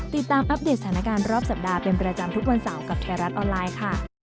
อัปเดตสถานการณ์รอบสัปดาห์เป็นประจำทุกวันเสาร์กับไทยรัฐออนไลน์ค่ะ